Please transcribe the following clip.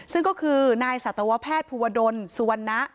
ซึ่งก็คือนายศตภพภูวะดลสุวรรณนะ